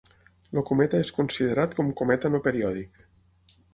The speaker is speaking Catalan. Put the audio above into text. El cometa és considerat com cometa no periòdic.